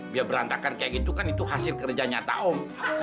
dia berantakan kayak gitu kan itu hasil kerja nyata om